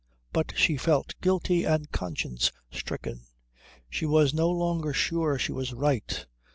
But she felt guilty and conscience stricken. She was no longer sure she was right.